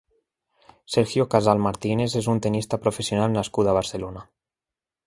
Sergio Casal Martínez és un tennista professional nascut a Barcelona.